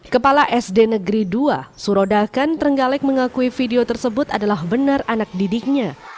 kepala sd negeri dua surodakan trenggalek mengakui video tersebut adalah benar anak didiknya